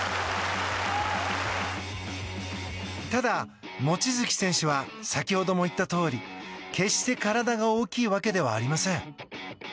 ただ、望月選手は先ほども言ったとおり決して体が大きいわけではありません。